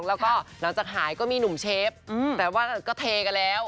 แล้วก็หลังจากหายก็มีหนุ่มเชฟแต่ว่าก็เทกันแล้ว